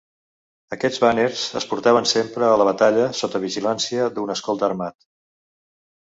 Aquests bàners es portaven sempre a la batalla sota vigilància d'un escolta armat.